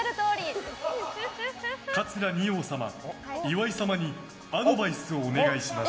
桂二葉様、岩井様にアドバイスをお願いします。